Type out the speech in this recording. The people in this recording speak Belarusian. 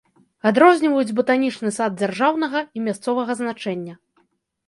Адрозніваюць батанічны сад дзяржаўнага і мясцовага значэння.